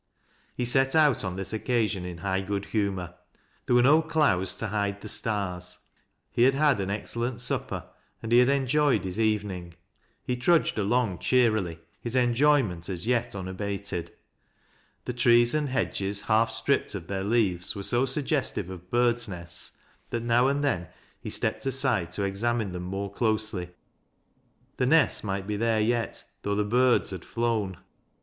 He set out on this occasion in high good humor. There were no clouds to hide the stars ; he had had an excellent supper, and he had enjoyed his evening. He trudged along cheerily, his enjoyment as yet unabated. The trees and hedges, half stripped of their leaves, were so suggestive of birds' nests, that now and then he stepped aside to exam ine them more closely. The nests might be there yet, though the birds had flown.